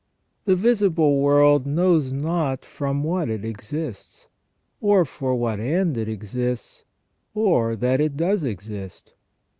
The visible world knows not from what it exists, or for what end it exists, or that it does exist.